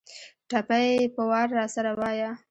ټپې په وار راسره وايه